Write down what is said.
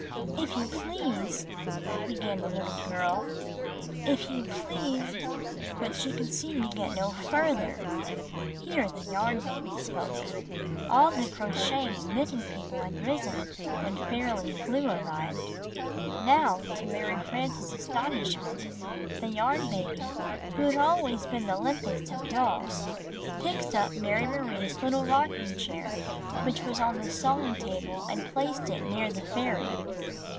"If you please —" began the Httle girl. "If you please —" but she could seem to get no further. Here the Yarn Baby spoke. All the Crocheting and Knitting People had risen when Fairly Flew arrived. Now, to Mary Frances' astonishment, the Yarn Baby, who had always been the limpest of dolls, picked up Mary Marie's little rocking chair which was on the sewing table and placed it near the fairy.